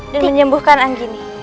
dan menyembuhkan anggini